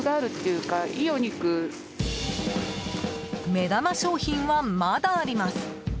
目玉商品は、まだあります。